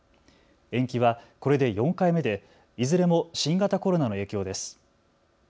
延期はこれで４回目でいずれも新型コロナの影響です。